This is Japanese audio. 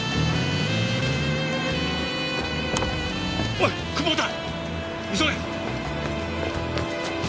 おい久保田急げ！